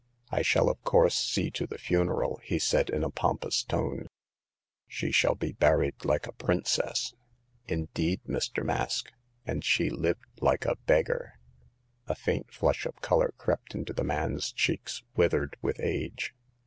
" I shall of course see to the funeral," he said in a pompous tone. '* She shall be buried like a princess." Indeed, Mr. Mask !— and she lived like a beggar !" A faint flush of color crept into the man's cheeks, withered with age.